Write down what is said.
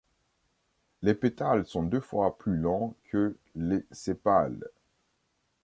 Les pétales sont deux fois plus longs que les sépales.